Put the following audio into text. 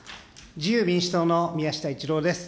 自由民主党の宮下一郎です。